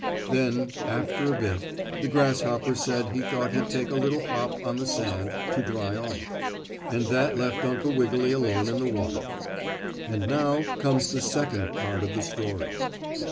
Then, after a bit, the grasshopper said he thought he'd take a little hop on the sand to dry off, and that left Uncle Wiggily alone in the water. And now comes the second part of the story.